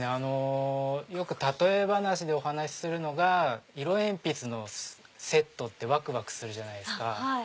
よく例え話でお話するのが色鉛筆のセットってわくわくするじゃないですか。